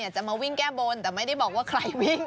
จะมาวิ่งแก้บนแต่ไม่ได้บอกว่าใครวิ่ง